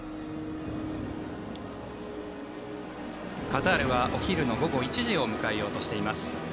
カタールはお昼の午後１時を迎えようとしています。